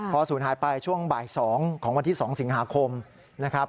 พอศูนย์หายไปช่วงบ่าย๒ของวันที่๒สิงหาคมนะครับ